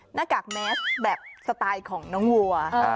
หน้ากากแมสแบบสไตล์ของน้องวัว